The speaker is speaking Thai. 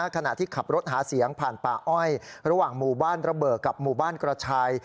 ขณะที่ขับรถหาเสียงผ่านป่าอ้อยระหว่างหมู่บ้านระเบิดกับหมู่บ้านกระชาย